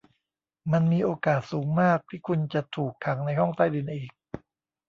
มันมีโอกาสสูงมากที่คุณจะถูกขังในห้องใต้ดินอีก